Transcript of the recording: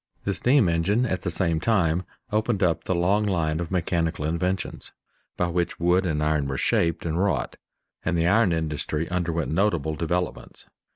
The steam engine at the same time opened up the long line of mechanical inventions by which wood and iron are shaped and wrought, and the iron industry underwent notable developments.